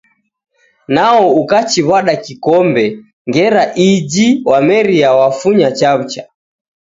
Nao ukachiw'ada kikombe, ngera iji w'ameria wafunya chawucha.